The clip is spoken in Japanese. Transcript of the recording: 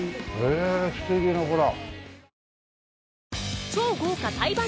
ええ素敵なほら。